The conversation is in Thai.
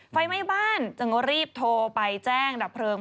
ไฟไหม้บ้านจึงรีบโทรไปแจ้งดับเพลิง